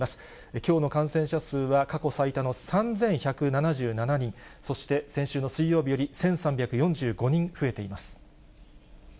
きょうの感染者数は過去最多の３１７７人、そして先週の水曜日より１３４５人増えています。